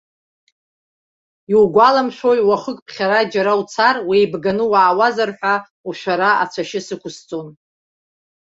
Иугәаламшәои, уахык ԥхьара џьара уцар, уеибганы уаауазар ҳәа ушәара ацәашьы сықәысҵон.